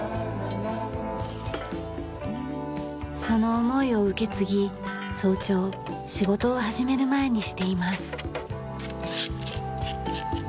その思いを受け継ぎ早朝仕事を始める前にしています。